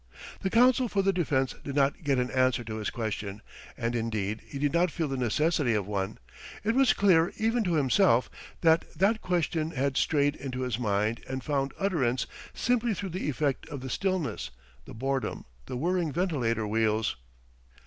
..." The counsel for the defence did not get an answer to his question, and indeed he did not feel the necessity of one. It was clear even to himself that that question had strayed into his mind and found utterance simply through the effect of the stillness, the boredom, the whirring ventilator wheels.